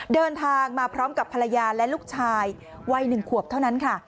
เดินทางมาพร้อมกับภรรยาและลูกชายวัย๑ขวบเท่านั้นค่ะ